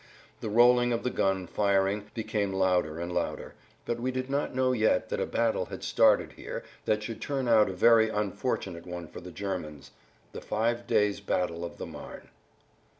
The rolling of the gun firing became louder and louder, but we did not know yet that a battle had started here that should turn out a very unfortunate one for the Germans—the five days' battle of the Marne.